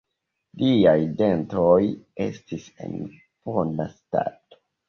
Liaj dentoj estis en bona stato.